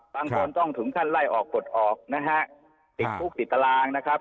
บางคนต้องถึงขั้นไล่ออกปลดออกนะฮะติดคุกติดตารางนะครับ